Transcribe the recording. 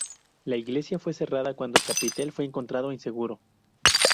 La iglesia fue cerrada cuándo el chapitel fue encontrado inseguro.